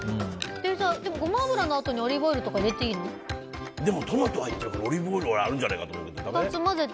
でもゴマ油のあとにオリーブオイルとかでもトマト入ってるからオリーブオイルあるんじゃないかと思ったけどね。